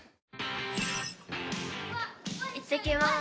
いってきます。